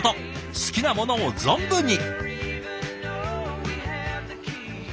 好きなものを存分に。